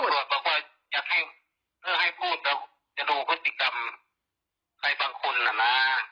ตำรวจบอกว่าไว้ให้พูดแล้วจะดูกฤติกรรมใครบางคนอ่ะนะ